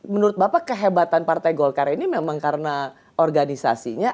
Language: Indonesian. menurut bapak kehebatan partai golkar ini memang karena organisasinya